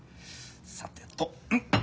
さてとんっ。